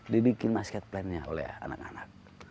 dibikin masket plan nya oleh anak anak